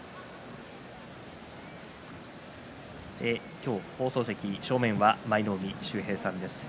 今日放送席正面は舞の海秀平さんです。